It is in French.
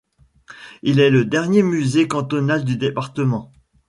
Il est le dernier musée cantonal du département.